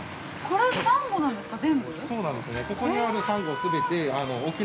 ◆これサンゴなんですか、全部？